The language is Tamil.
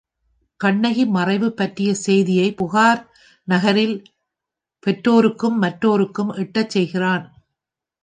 கண்ணகி மறைவு பற்றிய செய்தியைப் புகார் நகரில் பெற்றோருக்கும் மற்றோருக்கும் எட்டச் செய்கிறான்.